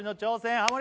ハモリ